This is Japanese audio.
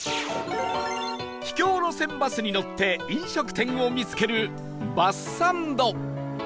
秘境路線バスに乗って飲食店を見つけるバスサンド